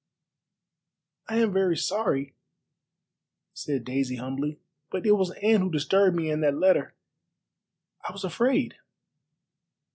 "I am very sorry," said Daisy humbly, "but it was Anne who disturbed me, and that letter. I was afraid."